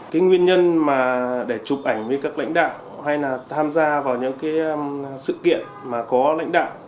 cái nguyên nhân mà để chụp ảnh với các lãnh đạo hay là tham gia vào những cái sự kiện mà có lãnh đạo